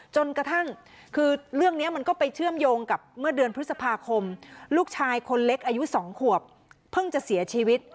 จนกระทั่งคือเรื่องนี้มันก็ไปเชื่อมโยงกับเมื่อเดือนพฤษภาคมลูกชายคนเล็กอายุ๒ขวบเพิ่งจะเสียชีวิต